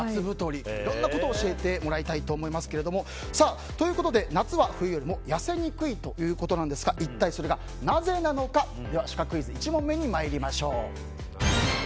いろんなことを教えてもらいたいと思いますけれども。ということで夏は冬よりも痩せにくいということなんですが一体、それがなぜなのかシカクイズ１問目に参りましょう。